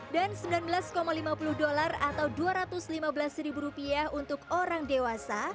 dan sembilan belas lima puluh dolar atau dua ratus lima belas ribu rupiah untuk orang dewasa